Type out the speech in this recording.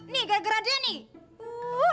nih gara gara dia nih